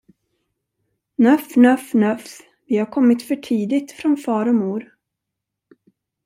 Nöff, nöff, nöff, vi har kommit för tidigt från far och mor.